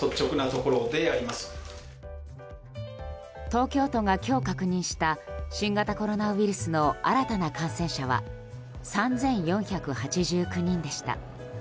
東京都が今日、確認した新型コロナウイルスの新たな感染者は３４８９人でした。